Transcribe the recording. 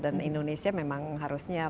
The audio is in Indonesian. dan indonesia memang harusnya